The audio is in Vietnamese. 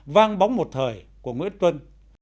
vang bóng một thời của nguyễn tuân